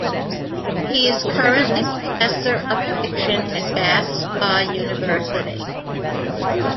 He is currently Professor of Fiction at Bath Spa University.